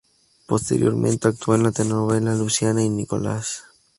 Posteriormente actuó en la telenovela "Luciana y Nicolás".